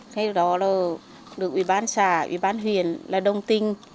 ngay lúc đó là được ủy ban xã ủy ban huyện là đồng tinh nhiệt tinh giúp đỡ